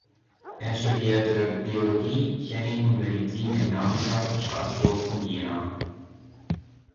Er studierte Biologie, Chemie und Medizin in Darmstadt, Straßburg und Jena.